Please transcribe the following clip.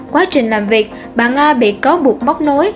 quá trình làm việc bà nga bị cáo buộc móc nối